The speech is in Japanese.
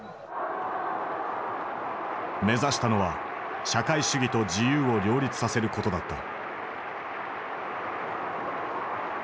目指したのは社会主義と自由を両立させることだった。